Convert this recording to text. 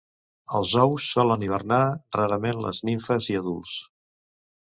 Els ous solen hibernar, rarament les nimfes i adults.